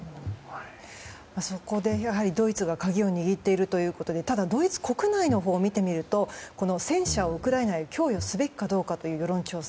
そこでドイツが鍵を握っているということでただ、ドイツ国内を見てみると戦車をウクライナへ供与すべきかという世論調査。